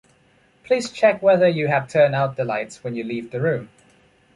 Please check whether you have turned out the lights when you leave the room.